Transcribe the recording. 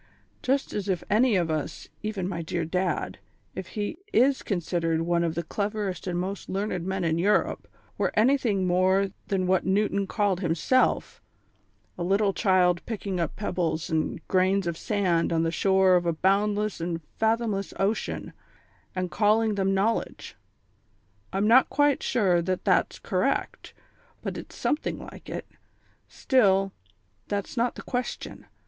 Just as if any of us, even my dear Dad, if he is considered one of the cleverest and most learned men in Europe, were anything more than what Newton called himself a little child picking up pebbles and grains of sand on the shore of a boundless and fathomless ocean, and calling them knowledge. I'm not quite sure that that's correct, but it's something like it. Still, that's not the question.